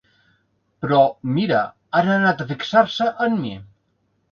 Però, mira, han anat a fixar-se en mi.